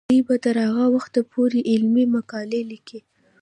دوی به تر هغه وخته پورې علمي مقالې لیکي.